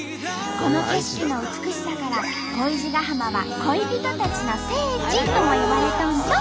この景色の美しさから恋路ヶ浜は「恋人たちの聖地」ともいわれとんと！